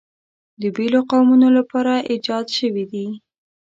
د بېلو قومونو لپاره ایجاد شوي دي.